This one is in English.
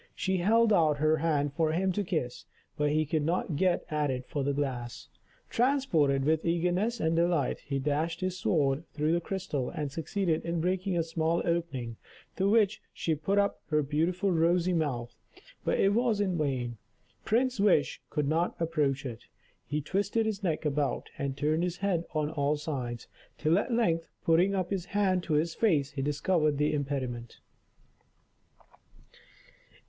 She held out her hand for him to kiss, but he could not get at it for the glass. Transported with eagerness and delight, he dashed his sword through the crystal, and succeeded in breaking a small opening, to which she put up her beautiful rosy mouth. But it was in vain, Prince Wish could not approach it. He twisted his neck about, and turned his head on all sides, till at length, putting up his hand to his face, he discovered the impediment.